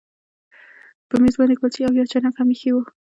په میز باندې کلچې او یو چاینک هم ایښي وو